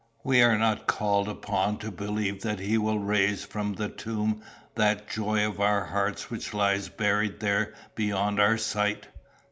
We are not called upon to believe that he will raise from the tomb that joy of our hearts which lies buried there beyond our sight.